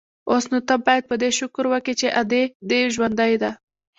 اوس نو ته بايد په دې شکر وکې چې ادې دې ژوندۍ ده.